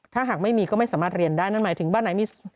ถ้าหากไม่มีก็ไม่สามารถเรียนได้นั่นหมายถึงบ้านไหนมี